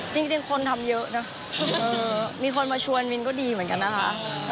จริงคนทำเยอะนะมีคนมาชวนมินก็ดีเหมือนกันนะคะ